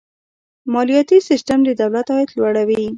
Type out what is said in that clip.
مالیاتي سیستم د دولت عاید جوړوي.